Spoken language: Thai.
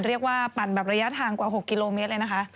ปั่นแบบระยะทางกว่า๖กิโลเมตรเลยนะคะ